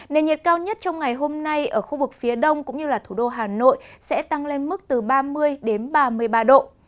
nền nhiệt cao nhất trong ngày hôm nay ở khu vực phía đông cũng như thủ đô hà nội sẽ tăng lên mức từ ba mươi đến ba mươi ba độ